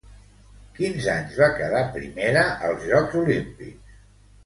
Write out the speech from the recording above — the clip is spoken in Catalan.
Quins anys va quedar primera als Jocs Olímpics?